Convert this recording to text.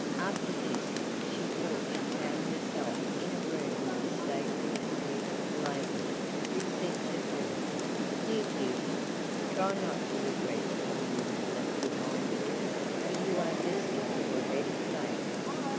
After this she thought she found herself in a room with a stately and beautiful lady, who said to her: "Dear Beauty, try not to regret all you have left behind you, for you are destined to a better fate.